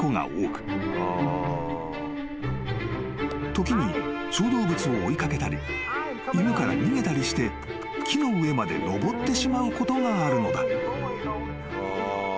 ［時に小動物を追い掛けたり犬から逃げたりして木の上まで登ってしまうことがあるのだ］